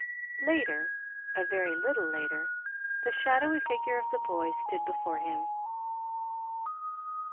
Later, a very little later, the shadowy figure of the boy stood before him.